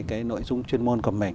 cái nội dung chuyên môn của mình